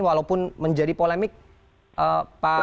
walaupun menjadi polemik pak